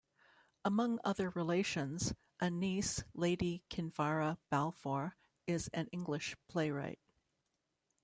Among other relations, a niece Lady Kinvara Balfour is an English playwright.